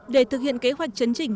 để thực hiện kế hoạch chấn chỉnh